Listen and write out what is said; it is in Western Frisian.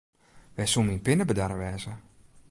Wêr soe myn pinne bedarre wêze?